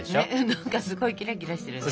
何かすごいキラキラしてるね。